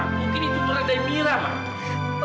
mungkin itu berada di miram ma